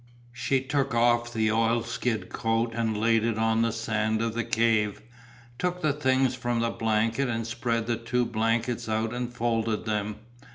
She took off the oilskin coat and laid it on the sand of the cave, took the things from the blanket and spread the two blankets out and folded them.